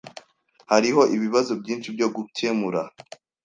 Hariho ibibazo byinshi byo gukemura.